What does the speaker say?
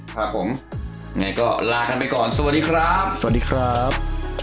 ครับผมยังไงก็ลากันไปก่อนสวัสดีครับสวัสดีครับ